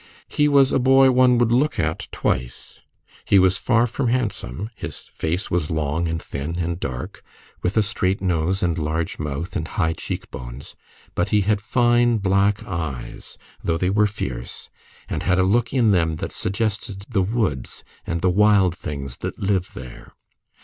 He was a boy one would look at twice. He was far from handsome. His face was long, and thin, and dark, with a straight nose, and large mouth, and high cheek bones; but he had fine black eyes, though they were fierce, and had a look in them that suggested the woods and the wild things that live there.